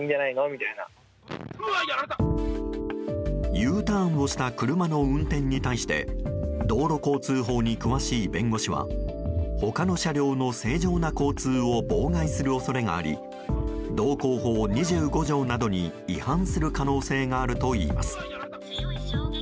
Ｕターンをした車の運転に対して道路交通法に詳しい弁護士は他の車両の正常な交通を妨害する恐れがあり道交法２５条などに違反する可能性があるといいます。